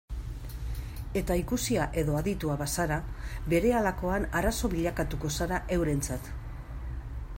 Eta ikusia edo aditua bazara, berehalakoan arazo bilakatuko zara eurentzat.